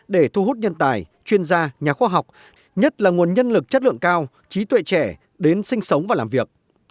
để thu hút nhân tài chuyên gia nhà khoa học nhất là nguồn nhân lực chất lượng cao trí tuệ trẻ đến sinh sống và làm việc